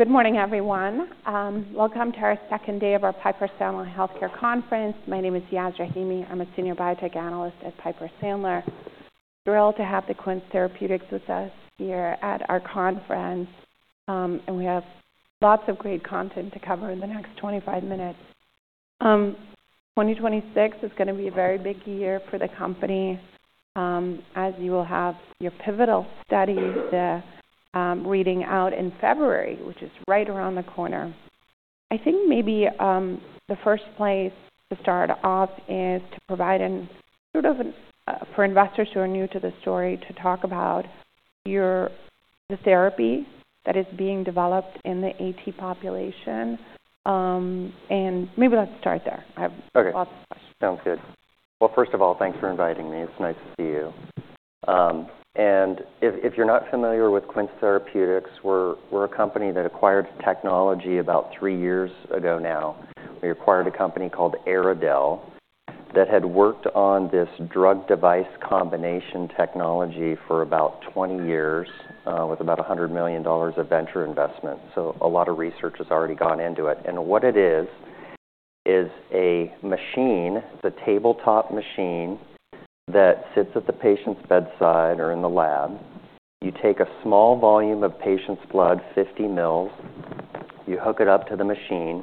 Good morning, everyone. Welcome to our second day of our Piper Sandler Healthcare Conference. My name is Yasmeen Rahimi. I'm a senior biotech analyst at Piper Sandler. Thrilled to have the Quince Therapeutics with us here at our conference, and we have lots of great content to cover in the next 25 minutes. 2026 is gonna be a very big year for the company, as you will have your pivotal studies to, reading out in February, which is right around the corner. I think maybe the first place to start off is to provide a sort of an, for investors who are new to the story, to talk about the therapy that is being developed in the AT population, and maybe let's start there. I have. Okay. Lots of questions. Sounds good. Well, first of all, thanks for inviting me. It's nice to see you. And if you're not familiar with Quince Therapeutics, we're a company that acquired technology about three years ago now. We acquired a company called EryDel that had worked on this drug-device combination technology for about 20 years, with about $100 million of venture investment. So a lot of research has already gone into it. And what it is, is a machine. It's a tabletop machine that sits at the patient's bedside or in the lab. You take a small volume of patient's blood, 50 mL. You hook it up to the machine.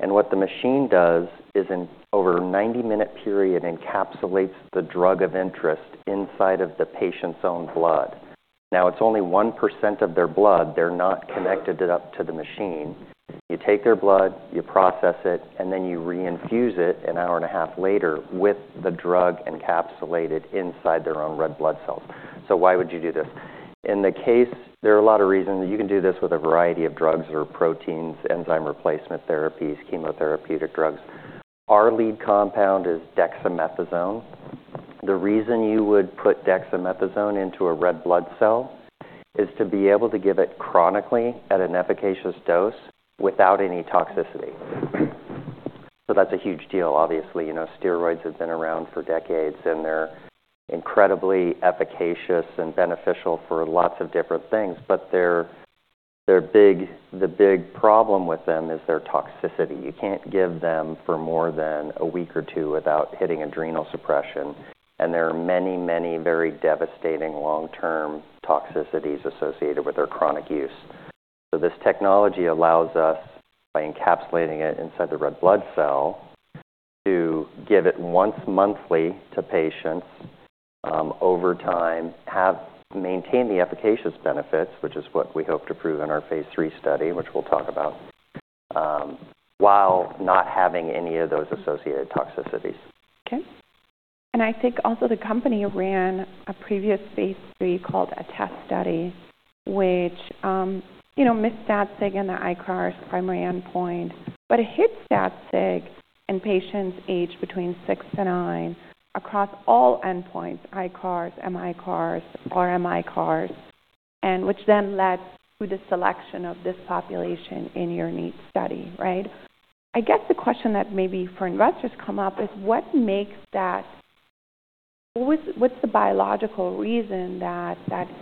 And what the machine does is, in over a 90-minute period, encapsulates the drug of interest inside of the patient's own blood. Now, it's only 1% of their blood. They're not connected up to the machine. You take their blood, you process it, and then you re-infuse it an hour and a half later with the drug encapsulated inside their own red blood cells. So why would you do this? In the case, there are a lot of reasons. You can do this with a variety of drugs or proteins, enzyme replacement therapies, chemotherapeutic drugs. Our lead compound is dexamethasone. The reason you would put dexamethasone into a red blood cell is to be able to give it chronically at an efficacious dose without any toxicity. So that's a huge deal, obviously. You know, steroids have been around for decades, and they're incredibly efficacious and beneficial for lots of different things. But the big problem with them is their toxicity. You can't give them for more than a week or two without hitting adrenal suppression. And there are many, many very devastating long-term toxicities associated with their chronic use. So this technology allows us, by encapsulating it inside the red blood cell, to give it once monthly to patients, over time, have maintain the efficacious benefits, which is what we hope to prove in our phase III study, which we'll talk about, while not having any of those associated toxicities. Okay. And I think also the company ran a previous phase 3 called the ATTEST study, which, you know, missed that sig in the ICARS primary endpoint, but it hit that sig in patients aged between six and nine across all endpoints, ICARS, mICARS, RmICARS, and which then led to the selection of this population in your NEAT study, right? I guess the question that maybe for investors come up is what's the biological reason that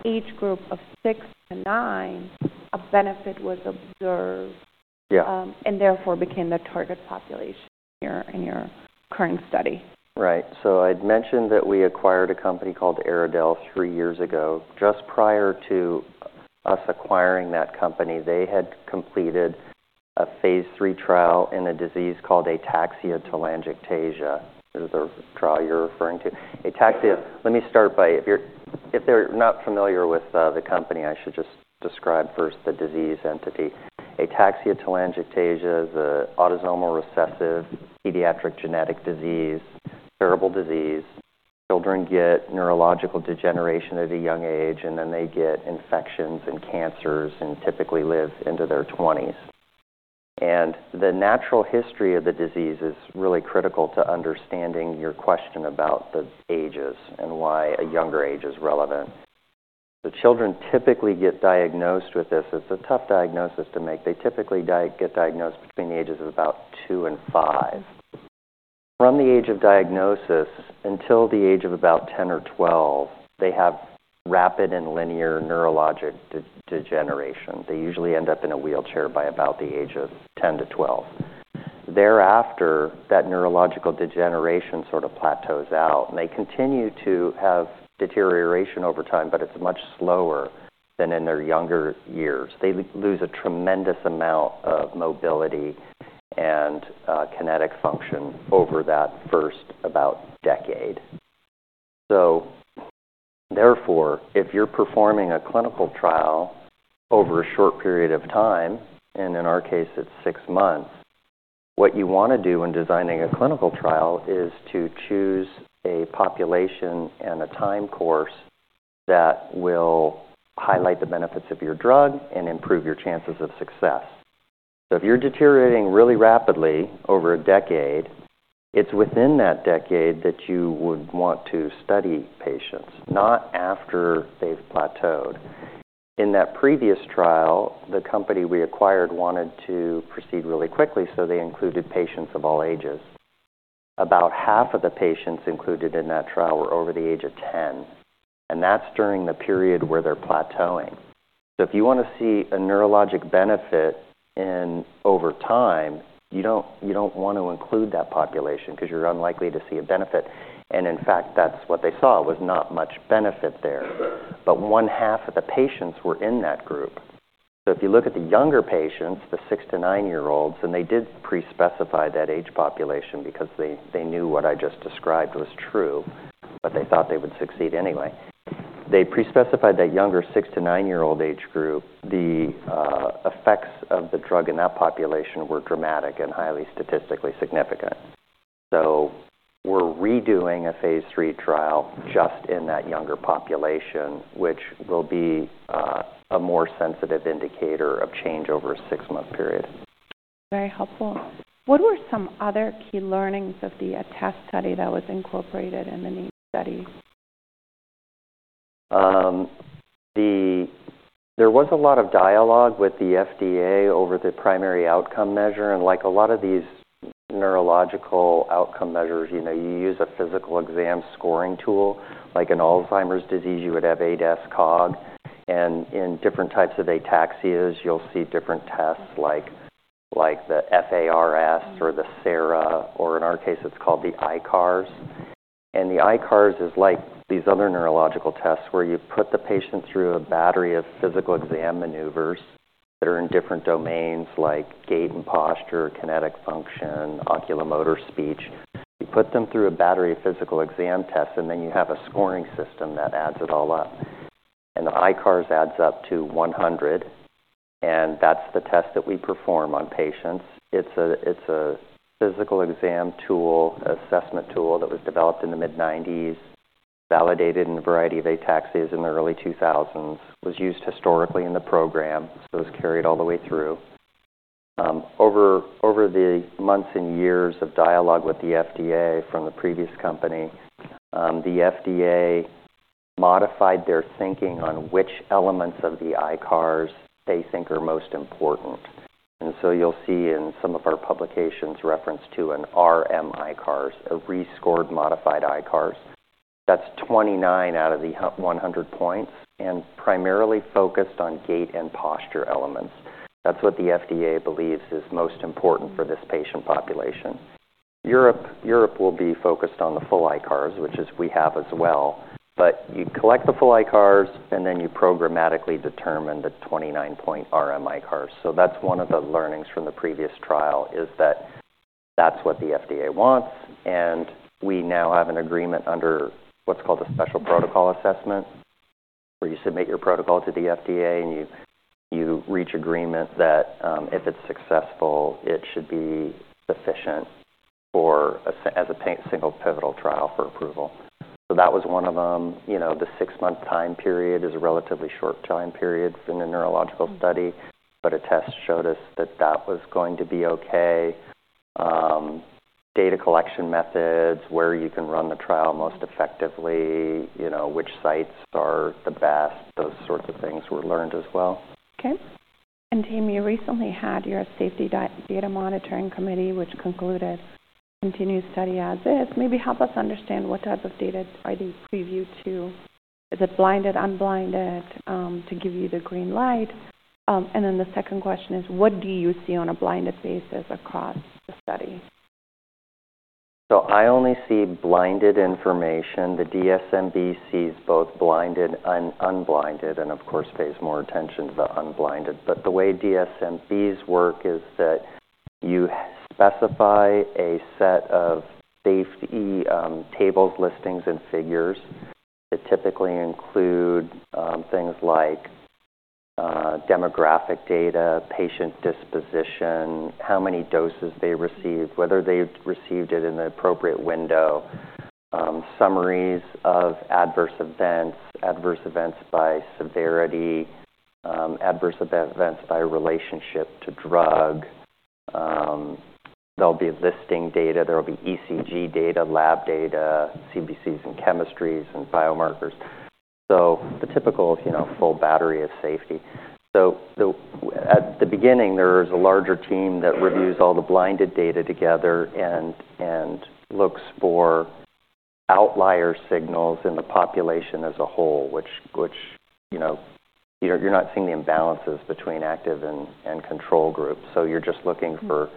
age group of six to nine, a benefit was observed. Yeah. and therefore became the target population in your current study? Right. So I'd mentioned that we acquired a company called EryDel three years ago. Just prior to us acquiring that company, they had completed a phase III trial in a disease called Ataxia-telangiectasia. Is the trial you're referring to? Ataxia. Yeah. Let me start by, if you're not familiar with the company, I should just describe first the disease entity. Ataxia-telangiectasia is an autosomal recessive pediatric genetic disease, terrible disease. Children get neurological degeneration at a young age, and then they get infections and cancers and typically live into their 20s, and the natural history of the disease is really critical to understanding your question about the ages and why a younger age is relevant, so children typically get diagnosed with this. It's a tough diagnosis to make. They typically get diagnosed between the ages of about two and five. From the age of diagnosis until the age of about 10-12, they have rapid and linear neurologic degeneration. They usually end up in a wheelchair by about the age of 10-12. Thereafter, that neurological degeneration sort of plateaus out. And they continue to have deterioration over time, but it's much slower than in their younger years. They lose a tremendous amount of mobility and kinetic function over that first about decade. So therefore, if you're performing a clinical trial over a short period of time, and in our case, it's six months, what you wanna do in designing a clinical trial is to choose a population and a time course that will highlight the benefits of your drug and improve your chances of success. So if you're deteriorating really rapidly over a decade, it's within that decade that you would want to study patients, not after they've plateaued. In that previous trial, the company we acquired wanted to proceed really quickly, so they included patients of all ages. About half of the patients included in that trial were over the age of 10. And that's during the period where they're plateauing. So if you wanna see a neurologic benefit in over time, you don't wanna include that population 'cause you're unlikely to see a benefit. And in fact, that's what they saw was not much benefit there. But one half of the patients were in that group. So if you look at the younger patients, the six to nine-year-olds, and they did pre-specify that age population because they knew what I just described was true, but they thought they would succeed anyway. They pre-specified that younger six to nine-year-old age group. The effects of the drug in that population were dramatic and highly statistically significant. So we're redoing a phase three trial just in that younger population, which will be a more sensitive indicator of change over a six-month period. Very helpful. What were some other key learnings of the ATTEST study that was incorporated in the NEAT study? There was a lot of dialogue with the FDA over the primary outcome measure. And like a lot of these neurological outcome measures, you know, you use a physical exam scoring tool. Like in Alzheimer's disease, you would have ADAS-Cog. And in different types of Ataxias, you'll see different tests like, like the FARS or the SARA, or in our case, it's called the ICARS. And the ICARS is like these other neurological tests where you put the patient through a battery of physical exam maneuvers that are in different domains like gait and posture, kinetic function, oculomotor speech. You put them through a battery of physical exam tests, and then you have a scoring system that adds it all up. And the ICARS adds up to 100. And that's the test that we perform on patients. It's a physical exam tool, assessment tool that was developed in the mid-90s, validated in a variety of Ataxias in the early 2000s, was used historically in the program, so it was carried all the way through. Over the months and years of dialogue with the FDA from the previous company, the FDA modified their thinking on which elements of the ICARS they think are most important. And so you'll see in some of our publications reference to an RmICARS, a rescored modified ICARS. That's 29 out of the 100 points and primarily focused on gait and posture elements. That's what the FDA believes is most important for this patient population. Europe will be focused on the full ICARS, which is we have as well. But you collect the full ICARS, and then you programmatically determine the 29-point RmICARS. So that's one of the learnings from the previous trial is that that's what the FDA wants. And we now have an agreement under what's called a Special Protocol Assessment where you submit your protocol to the FDA, and you reach agreement that, if it's successful, it should be sufficient as a single pivotal trial for approval. So that was one of them. You know, the six-month time period is a relatively short time period in a neurological study, but ATTEST showed us that that was going to be okay. Data collection methods, where you can run the trial most effectively, you know, which sites are the best, those sorts of things were learned as well. Okay. And team, you recently had your safety data monitoring committee, which concluded continued study as is. Maybe help us understand what type of data are they provided to? Is it blinded, unblinded, to give you the green light? And then the second question is, what do you see on a blinded basis across the study? So I only see blinded information. The DSMB sees both blinded and unblinded and, of course, pays more attention to the unblinded. But the way DSMBs work is that you specify a set of safety tables, listings, and figures that typically include things like demographic data, patient disposition, how many doses they received, whether they received it in the appropriate window, summaries of adverse events, adverse events by severity, adverse events by relationship to drug. There'll be listing data. There'll be ECG data, lab data, CBCs and chemistries, and biomarkers. So the typical, you know, full battery of safety. So the way at the beginning, there is a larger team that reviews all the blinded data together and looks for outlier signals in the population as a whole, which, you know, you're not seeing the imbalances between active and control groups. So you're just looking for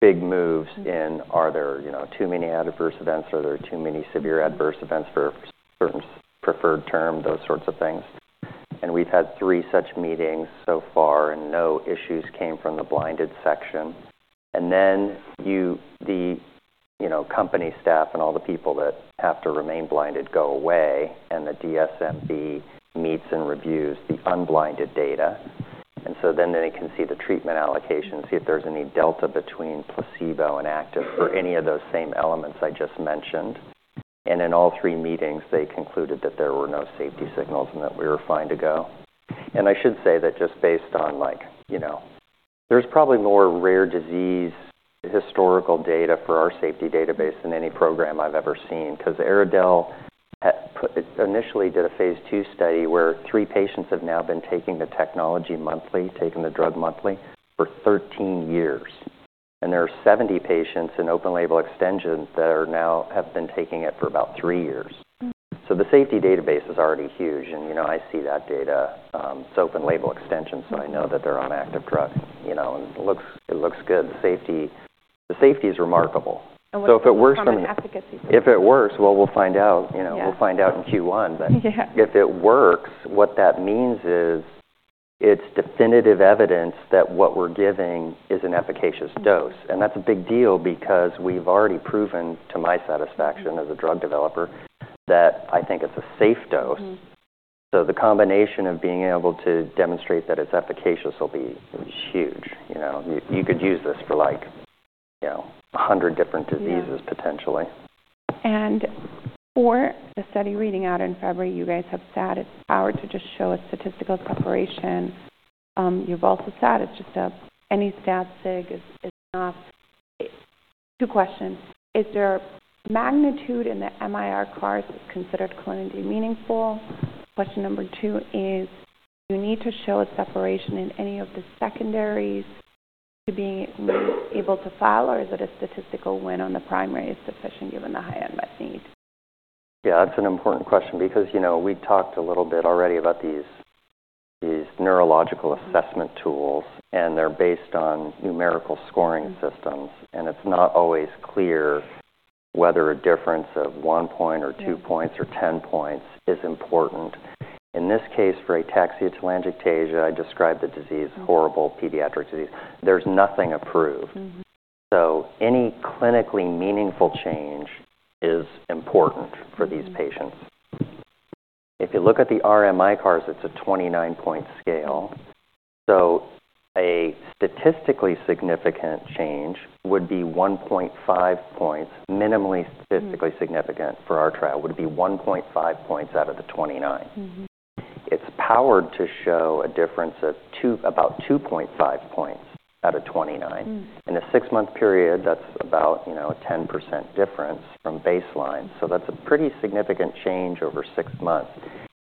big moves in AEs, are there, you know, too many adverse events or are there too many severe adverse events for a certain SOC's preferred term, those sorts of things. And we've had three such meetings so far, and no issues came from the blinded section. And then, you know, the company staff and all the people that have to remain blinded go away, and the DSMB meets and reviews the unblinded data. And so then they can see the treatment allocation, see if there's any delta between placebo and active for any of those same elements I just mentioned. And in all three meetings, they concluded that there were no safety signals and that we were fine to go. I should say that just based on, like, you know, there's probably more rare disease historical data for our safety database than any program I've ever seen 'cause EryDel had put it initially did a phase two study where three patients have now been taking the technology monthly, taking the drug monthly for 13 years, and there are 70 patients in open label extension that are now have been taking it for about three years. So the safety database is already huge, and, you know, I see that data, it's open label extension, so I know that they're on active drug, you know, and it looks good. The safety is remarkable. What's the efficacy? So if it works, well, we'll find out. You know, we'll find out in Q1, but. Yeah. If it works, what that means is it's definitive evidence that what we're giving is an efficacious dose. And that's a big deal because we've already proven, to my satisfaction as a drug developer, that I think it's a safe dose. Mm-hmm. So the combination of being able to demonstrate that it's efficacious will be huge. You know, you could use this for, like, you know, 100 different diseases potentially. For the study reading out in February, you guys have said it's powered to just show a statistical separation. You've also said it's just that any stat sig is enough. Two questions. Is there a magnitude in the RmICARS considered clinically meaningful? Question number two is, do you need to show a separation in any of the secondaries to be able to file, or is a statistical win on the primary sufficient given the high unmet need? Yeah, that's an important question because, you know, we talked a little bit already about these, these neurological assessment tools, and they're based on numerical scoring systems, and it's not always clear whether a difference of one point or two points or 10 points is important. In this case, for Ataxia-telangiectasia, I described the disease horrible pediatric disease. There's nothing approved. Mm-hmm. Any clinically meaningful change is important for these patients. If you look at the RmICARS, it's a 29-point scale. A statistically significant change would be 1.5 points. Minimally statistically significant for our trial would be 1.5 points out of the 29. Mm-hmm. It's powered to show a difference of about 2.5 points out of 29. Mm-hmm. In a six-month period, that's about, you know, a 10% difference from baseline. So that's a pretty significant change over six months.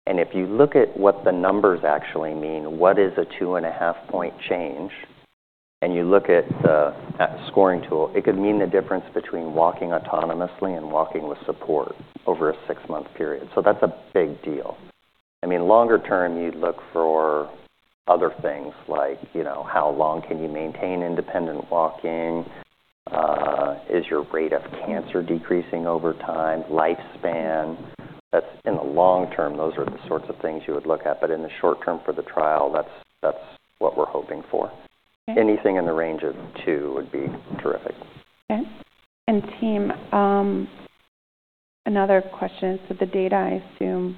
And if you look at what the numbers actually mean, what is a two-and-a-half-point change, and you look at the scoring tool, it could mean the difference between walking autonomously and walking with support over a six-month period. So that's a big deal. I mean, longer term, you'd look for other things like, you know, how long can you maintain independent walking? Is your rate of cancer decreasing over time? Lifespan? That's in the long term, those are the sorts of things you would look at. But in the short term for the trial, that's, that's what we're hoping for. Okay. Anything in the range of two would be terrific. Okay, and team, another question is that the data, I assume,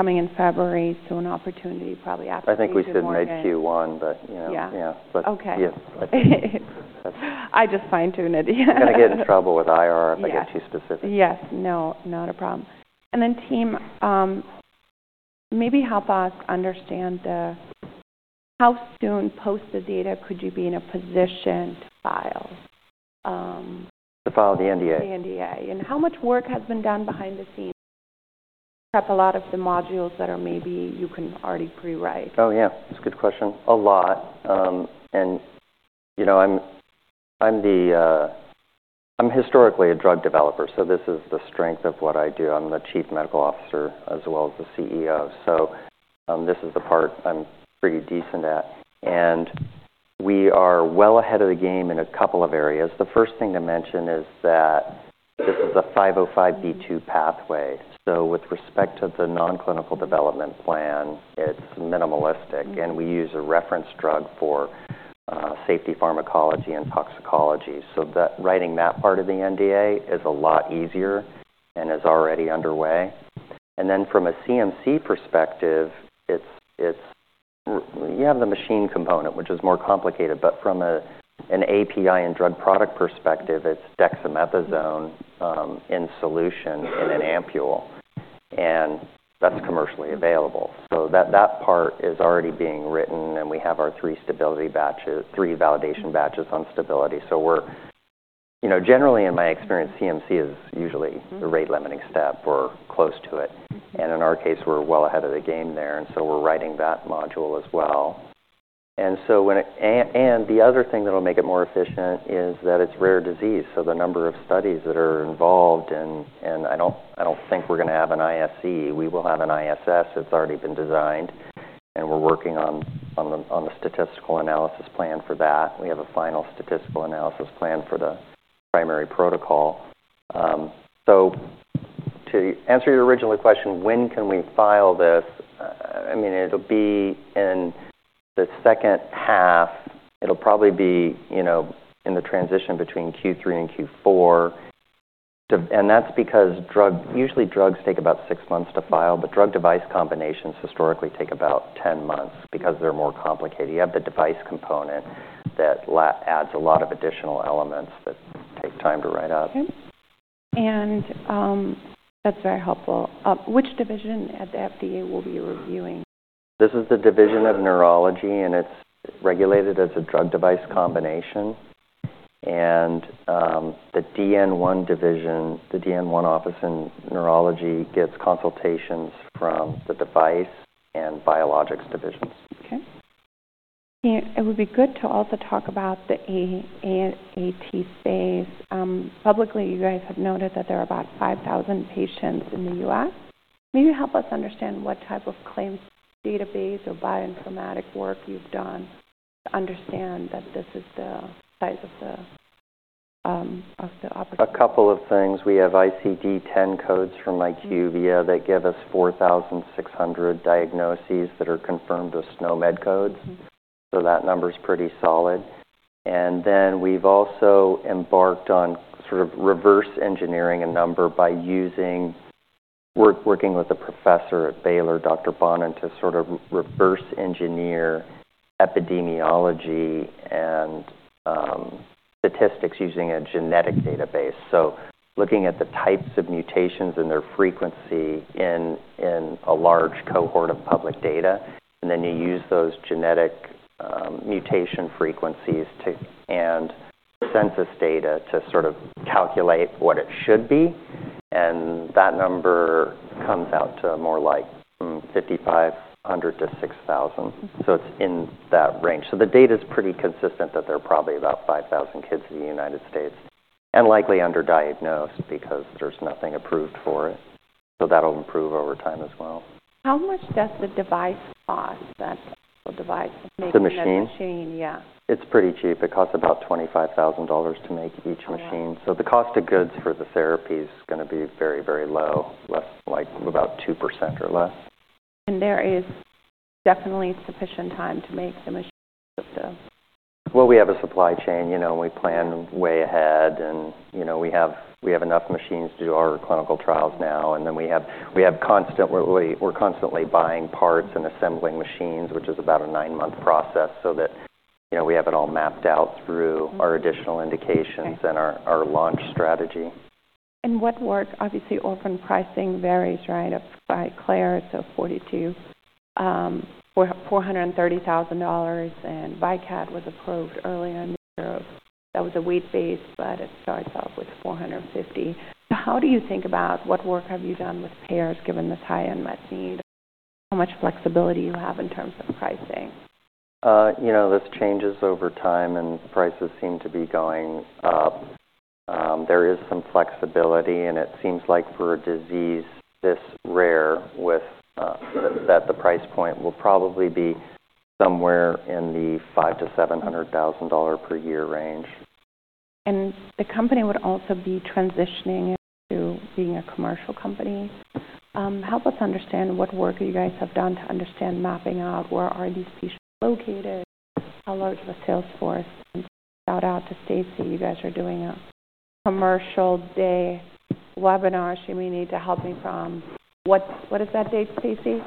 is coming in February, so an opportunity probably after Q1. I think we should make Q1, but, you know. Yeah. Yeah. But. Okay. Yes. I just fine-tune it. Yeah. Gonna get in trouble with IR if I get too specific. Yes. No, not a problem. And then, team, maybe help us understand how soon post the data could you be in a position to file? To file the NDA? The NDA, and how much work has been done behind the scenes to prep a lot of the modules that are maybe you can already pre-write? Oh, yeah. That's a good question. A lot, and you know, I'm historically a drug developer, so this is the strength of what I do. I'm the Chief Medical Officer as well as the CEO. So, this is the part I'm pretty decent at, and we are well ahead of the game in a couple of areas. The first thing to mention is that this is a 505(b)(2) pathway. So with respect to the nonclinical development plan, it's minimalistic, and we use a reference drug for safety pharmacology and toxicology. So that writing that part of the NDA is a lot easier and is already underway. And then from a CMC perspective, it's you have the machine component, which is more complicated, but from an API and drug product perspective, it's dexamethasone in solution in an ampule, and that's commercially available. So that part is already being written, and we have our three stability batches, three validation batches on stability. So we're, you know, generally, in my experience, CMC is usually the rate-limiting step or close to it. And in our case, we're well ahead of the game there, and so we're writing that module as well. And so, when it and the other thing that'll make it more efficient is that it's rare disease. So the number of studies that are involved in. I don't think we're gonna have an ISE. We will have an ISS that's already been designed, and we're working on the statistical analysis plan for that. We have a final statistical analysis plan for the primary protocol. So to answer your original question, when can we file this? I mean, it'll be in the second half. It'll probably be, you know, in the transition between Q3 and Q4, too, and that's because drugs take about six months to file, but drug-device combinations historically take about 10 months because they're more complicated. You have the device component that adds a lot of additional elements that take time to write up. Okay, and that's very helpful. Which division at the FDA will be reviewing? This is the division of neurology, and it's regulated as a drug-device combination, and the DN1 division, the DN1 office in neurology gets consultations from the device and biologics divisions. Okay. It would be good to also talk about the A-T space. Publicly, you guys have noted that there are about 5,000 patients in the U.S. Maybe help us understand what type of claims database or bioinformatic work you've done to understand that this is the size of the opportunity? A couple of things. We have ICD-10 codes from IQVIA that give us 4,600 diagnoses that are confirmed with SNOMED codes. Mm-hmm. So that number's pretty solid. And then we've also embarked on sort of reverse engineering a number by using we're working with a professor at Baylor, Dr. Bonin, to sort of reverse engineer epidemiology and statistics using a genetic database. So looking at the types of mutations and their frequency in a large cohort of public data, and then you use those genetic mutation frequencies to and census data to sort of calculate what it should be. And that number comes out to more like 5,500-6,000. Mm-hmm. So it's in that range. So the data's pretty consistent that there are probably about 5,000 kids in the United States and likely underdiagnosed because there's nothing approved for it. So that'll improve over time as well. How much does the device cost, that technical device to make each machine? The machine? Yeah. It's pretty cheap. It costs about $25,000 to make each machine. Okay. The cost of goods for the therapy's gonna be very, very low, less like about 2% or less. There is definitely sufficient time to make the machine with the. Well, we have a supply chain, you know, and we plan way ahead. And, you know, we have enough machines to do our clinical trials now. And then we're constantly buying parts and assembling machines, which is about a nine-month process so that, you know, we have it all mapped out through our additional indications. Okay. And our launch strategy. Obviously orphan pricing varies, right? For Luxturna, it's $430,000, and KYMRIAH was approved early in the year. That was a one-time, but it starts off with $450,000. So how do you think about what work have you done with payers given this high unmet need? How much flexibility do you have in terms of pricing? You know, this changes over time, and prices seem to be going up. There is some flexibility, and it seems like for a disease this rare with, that the price point will probably be somewhere in the $500,000-$700,000 per year range. The company would also be transitioning to being a commercial company. Help us understand what work you guys have done to understand mapping out. Where are these patients located? How large of a sales force? Shout out to Stacy. You guys are doing a commercial day webinar. She may need to help me from what's what is that date, Stacy?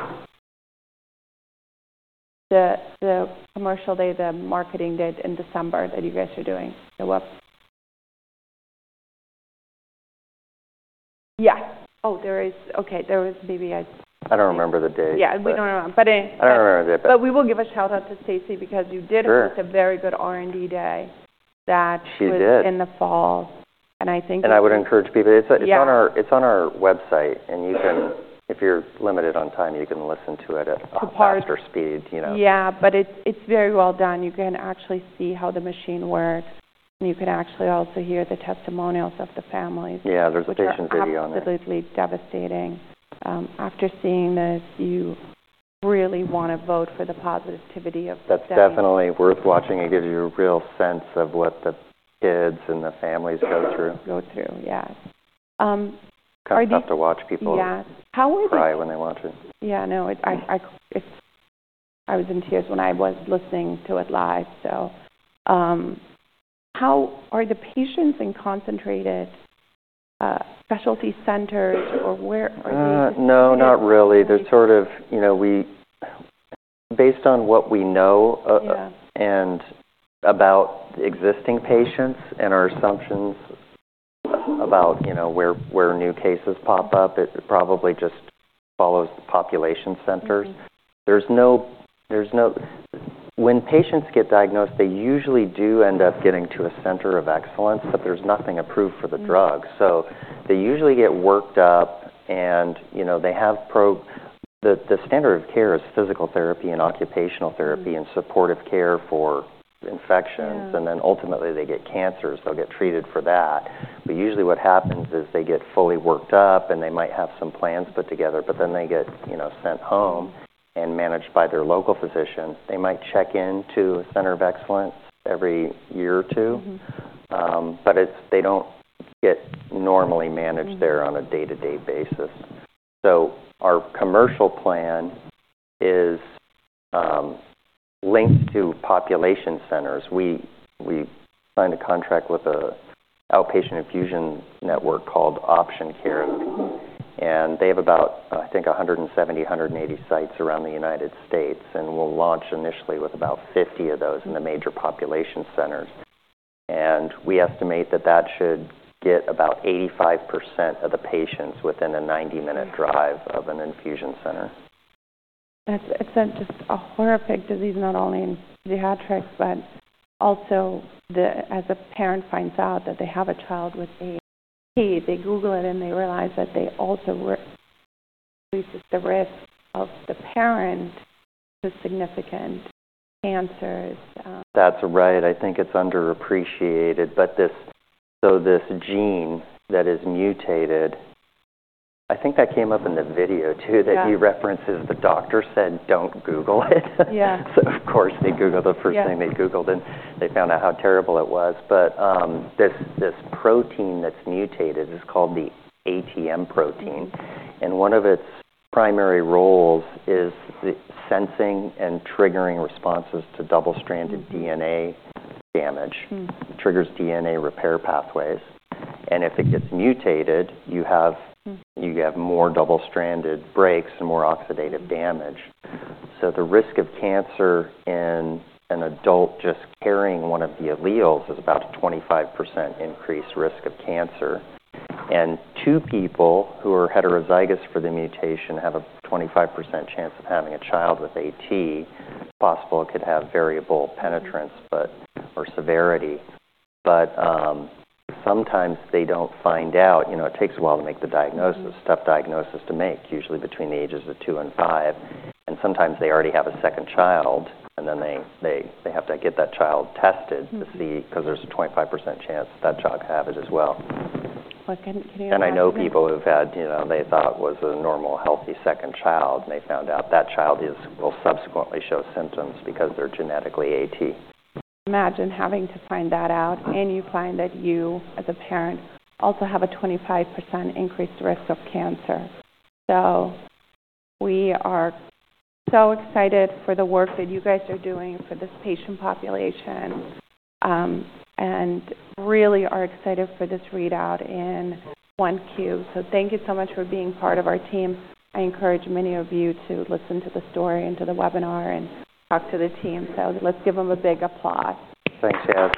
The commercial day, the marketing day in December that you guys are doing. So what? Yeah. Oh, there is okay. There is maybe a. I don't remember the date. Yeah. We don't remember, but it. I don't remember the date, but. But we will give a shout out to Stacy because you did. Sure. Make a very good R&D day that. She did. In the fall and I think. And I would encourage people. Yeah. It's on our website, and you can. Okay. If you're limited on time, you can listen to it at. Too far. Faster speed, you know. Yeah. But it's, it's very well done. You can actually see how the machine works, and you can actually also hear the testimonials of the families. Yeah. There's a patient video on it. Which is absolutely devastating. After seeing this, you really wanna vote for the positivity of the therapy. That's definitely worth watching. It gives you a real sense of what the kids and the families go through. Go through. Yeah. Comfort to watch people. Yeah. How are they? Cry when they watch it. Yeah. No. I was in tears when I was listening to it live. So, how are the patients concentrated in specialty centers or where are they? No, not really. They're sort of, you know, we based on what we know, Yeah. About existing patients and our assumptions about, you know, where new cases pop up, it probably just follows the population centers. Mm-hmm. There's no, when patients get diagnosed, they usually do end up getting to a center of excellence, but there's nothing approved for the drug, so they usually get worked up, and, you know, the standard of care is physical therapy and occupational therapy and supportive care for infections. Mm-hmm. And then ultimately, they get cancers. They'll get treated for that. But usually, what happens is they get fully worked up, and they might have some plans put together, but then they get, you know, sent home and managed by their local physician. They might check into a center of excellence every year or two. Mm-hmm. But it's they don't get normally managed there on a day-to-day basis. So our commercial plan is linked to population centers. We signed a contract with an outpatient infusion network called Option Care, and they have about, I think, 170-180 sites around the United States, and we'll launch initially with about 50 of those in the major population centers, and we estimate that that should get about 85% of the patients within a 90-minute drive of an infusion center. That's just a horrific disease, not only in pediatrics but also as a parent finds out that they have a child with A-T, they Google it, and they realize that they also reduce the risk of the parent to significant cancers. That's right. I think it's underappreciated. But this gene that is mutated, I think that came up in the video too. Yeah. That you referenced is the doctor said, "Don't Google it. Yeah. So of course, they Googled the first thing they Googled, and they found out how terrible it was. But, this protein that's mutated is called the ATM protein. Mm-hmm. One of its primary roles is the sensing and triggering responses to double-stranded DNA damage. Triggers DNA repair pathways. And if it gets mutated, you have more double-stranded breaks and more oxidative damage. So the risk of cancer in an adult just carrying one of the alleles is about a 25% increased risk of cancer. And two people who are heterozygous for the mutation have a 25% chance of having a child with AT. It's possible it could have variable penetrance but or severity. But sometimes they don't find out. You know, it takes a while to make the diagnosis, tough diagnosis to make, usually between the ages of two and five. And sometimes they already have a second child, and then they have to get that child tested. Mm-hmm. To see 'cause there's a 25% chance that child could have it as well. Can you imagine? I know people who've had, you know, they thought it was a normal, healthy second child, and they found out that child will subsequently show symptoms because they're genetically AT. Imagine having to find that out, and you find that you, as a parent, also have a 25% increased risk of cancer. So we are so excited for the work that you guys are doing for this patient population, and really are excited for this readout in NEAT. So thank you so much for being part of our team. I encourage many of you to listen to the story and to the webinar and talk to the team. So let's give them a big applause. Thanks, Yash.